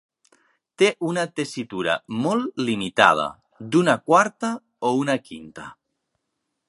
Té una tessitura molt limitada, d'una quarta o una quinta.